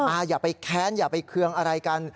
อย่าไปแค้นอย่าไปเคืองอะไรกัน